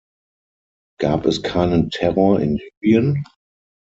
Gab es keinen Terror in Libyen?